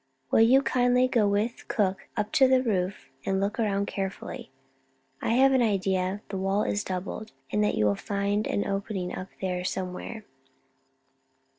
Will you kindly go with Cook up to the roof and look around carefully. I have an idea that the wall is double, and that you will find an opening up there somewhere."